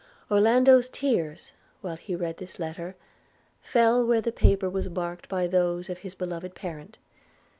Orlando's tears, while he read this letter, fell where the paper was marked by those of this beloved parent.